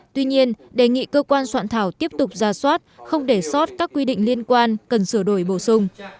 tuy nhiên đề nghị cơ quan soạn thảo tiếp tục ra soát không để sót các quy định liên quan cần sửa đổi bổ sung